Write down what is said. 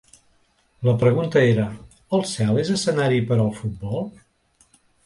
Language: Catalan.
La pregunta era: el cel és escenari per al futbol?